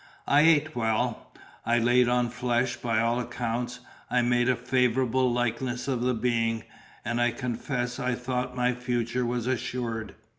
I ate well; I laid on flesh; by all accounts, I made a favourable likeness of the being, and I confess I thought my future was assured.